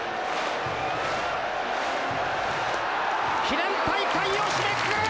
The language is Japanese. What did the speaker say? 記念大会を締めくくる！